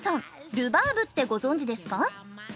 ルバーブってご存じですか？